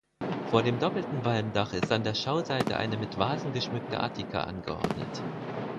Vor dem doppelten Walmdach ist an der Schauseite eine mit Vasen geschmückte Attika angeordnet.